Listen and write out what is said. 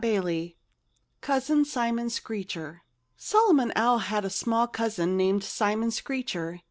XVII Cousin Simon Screecher Solomon Owl had a small cousin named Simon Screecher.